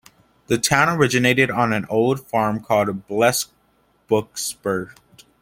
The town originated on an old farm called "Blesbokspruit".